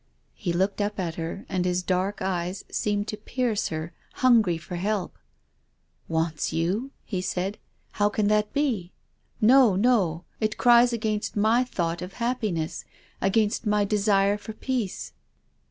He looked up at her and his dark eyes seemed to pierce her, hungry for help. " Wants you ?" he said. " How can that be ? No, no. It cries against my thought of happi ness, against my desire for peace."